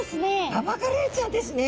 ババガレイちゃんですね。